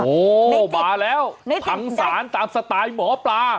โอ้โหมาแล้วพังศาลตามสไตล์หมอปลา